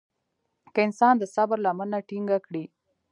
که انسان د صبر لمنه ټينګه کړي.